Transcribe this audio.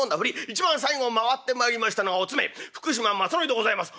一番最後回ってまいりましたのはお詰め福島正則でございます。